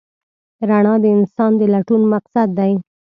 رڼا د انسان د لټون مقصد دی.